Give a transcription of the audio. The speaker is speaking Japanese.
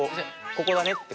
ここだねって。